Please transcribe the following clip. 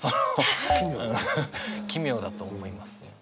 奇妙だと思います。